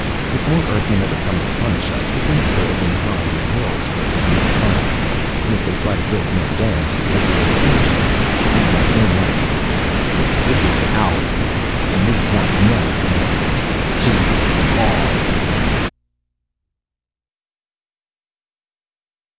If more Earthmen ever come to punish us, we can live and hide in the hills where they'll never find us. And if they try to build more domes here we'll smash them. We want no more to do with Earth. This is our planet and we want no aliens. Keep off!